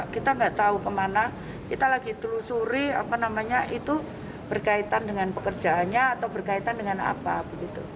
kita nggak tahu kemana kita lagi telusuri apa namanya itu berkaitan dengan pekerjaannya atau berkaitan dengan apa begitu